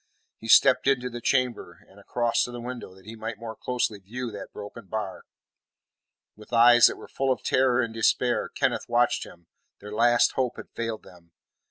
He stepped into, the chamber and across to the window, that he might more closely view that broken bar. With eyes that were full of terror and despair, Kenneth watched him; their last hope had failed them.